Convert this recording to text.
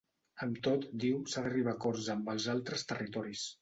Amb tot, diu, s’ha d’arribar a acords amb els altres territoris.